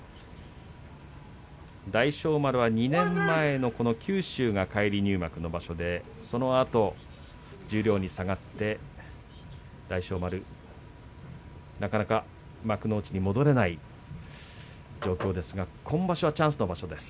大翔丸は２年前のこの九州が返り入幕の場所でそのあと十両に下がって大翔丸、なかなか幕内に戻れない状況ですが今場所はチャンスの場所です。